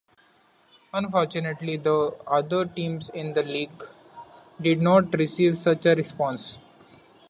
Unfortunately, the other teams in the league did not receive such a response.